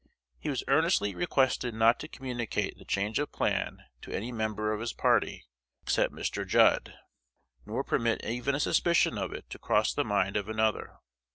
He was earnestly requested not to communicate the change of plan to any member of his party, except Mr. Judd, nor permit even a suspicion of it to cross the mind of another.